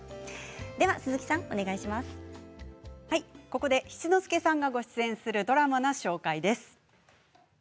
ここで七之助さんがご出演するドラマの紹介です。